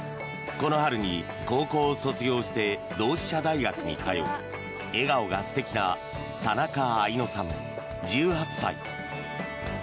この春に高校を卒業して同志社大学に通う笑顔が素敵な田中愛乃さん、１８歳。